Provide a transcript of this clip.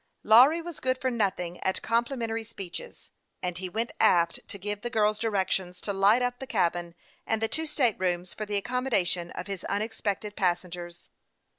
Lawry was good for nothing at complimentary speeches, and he went aft to give the girls directions to. light up the cabin and the two state rooms for the accommodation of his unexpected passengers.